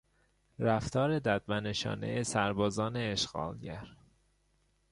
رفتار ددمنشانهی سربازان اشغالگر